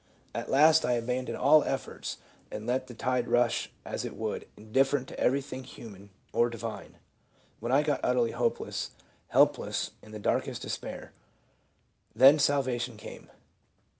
... At last I abandoned all efforts and let the tide rush as it would, indifferent to everything human or divine When I got utterly hopeless, help less, in the darkest despair " then salvation came.